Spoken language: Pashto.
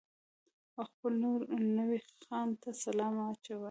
او خپل نوي خان ته سلامي شول.